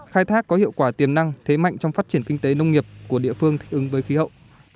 khai thác có hiệu quả tiềm năng thế mạnh trong phát triển kinh tế nông nghiệp của địa phương thích ứng với khí hậu